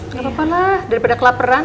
gak apa apa lah daripada kelaperan